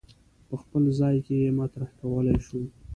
په خپل ځای کې یې مطرح کولای شو.